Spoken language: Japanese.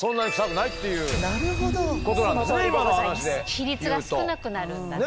比率が少なくなるんだね。